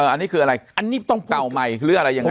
อันนี้คืออะไรเก่าใหม่หรืออะไรยังไง